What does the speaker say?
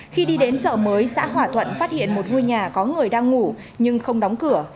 khi đi đến chợ mới xã hòa thuận phát hiện một ngôi nhà có người đang ngủ nhưng không đóng cửa